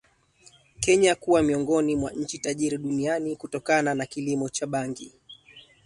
Kenya kuwa miongoni mwa nchi tajiri duniani kutokana na kilimo cha bangi